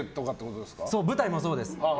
舞台もそうです。